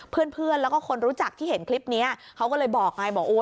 เพื่อนและคนรู้จักที่เห็นคลิปเนี้ยเขาก็เลยบอกไง